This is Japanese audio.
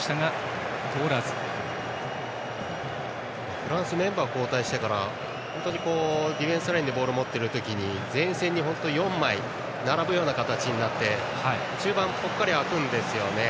フランスはメンバー交代してから本当にディフェンスラインでボールを持った時前線に４枚並ぶような形になって中盤がぽっかり空くんですよね。